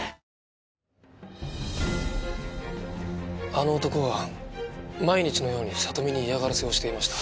あの男は毎日のように里美に嫌がらせをしていました。